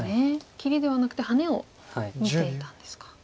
切りではなくてハネを見ていたんですか。